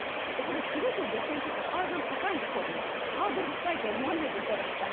すごく女性にとってハードルが高いんですけれどもハードルが高いと思わないでいただきたい。